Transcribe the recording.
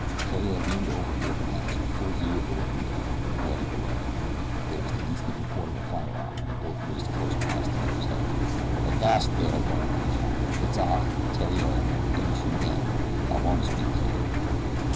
Theriere leaned over the open hatch, in full view of the waiting Byrne, ready below. There was the instant report of a firearm and a bullet whizzed close past Theriere's head. "Avast there, Byrne!" he shouted. "It's I, Theriere. Don't shoot again, I want to speak to you."